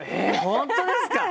本当ですか！